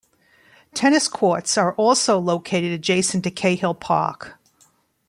Tennis courts are also located adjacent to Cahill Park.